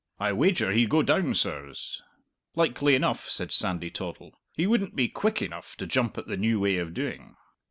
"I wager he'd go down, sirs." "Likely enough," said Sandy Toddle; "he wouldn't be quick enough to jump at the new way of doing."